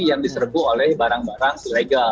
yang diserbu oleh barang barang ilegal